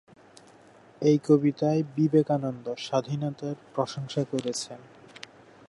এই কবিতায় বিবেকানন্দ স্বাধীনতার প্রশংসা করেছেন।